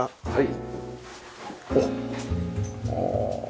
はい。